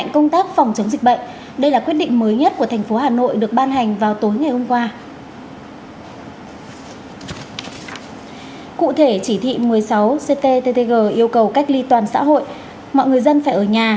công an tntg yêu cầu cách ly toàn xã hội mọi người dân phải ở nhà